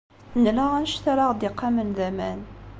Nla anect ara aɣ-d-iqamen d aman.